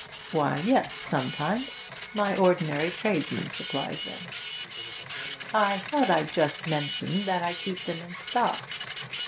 'Why, yes, sometimes. My ordinary tradesman supplies them.' 'I thought I'd just mention that I keep them in stock.'